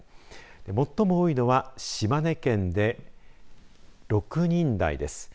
最も多いのは島根県で６人台です。